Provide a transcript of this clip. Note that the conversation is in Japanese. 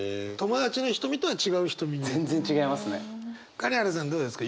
金原さんどうですか？